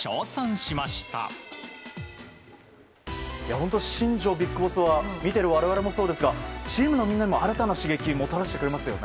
本当、新庄ビッグボスは見ている我々もそうですがチームのみんなにも新たな刺激をもたらしてくれますよね。